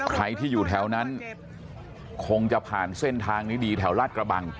ใครที่อยู่แถวนั้นคงจะผ่านเส้นทางนี้ดีแถวลาดกระบัง